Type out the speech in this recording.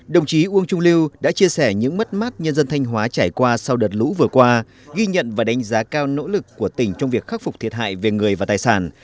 đồng chí uông trung lưu đã chia sẻ những mất mát nhân dân thanh hóa trải qua sau đợt lũ vừa qua ghi nhận và đánh giá cao nỗ lực của tỉnh trong việc khắc phục thiệt hại về người và tài sản